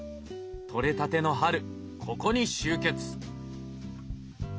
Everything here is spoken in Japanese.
とれたての春ここに集結！